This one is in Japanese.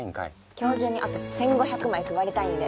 今日中にあと１，５００枚配りたいんで。